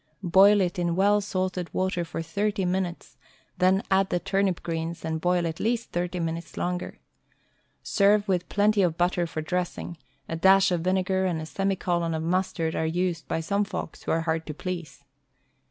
Boil it in well salted water for thirty minutes, then add the turnip greens and boil at least thirty minutes longer. Serve with plenty of butter for dressing; a dash of vinegar and a semi colon of mustard are used by some folks who are hard to please.